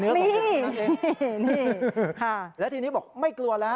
ขอบคุณพี่ไทยที่ขอบคุณพี่ไทย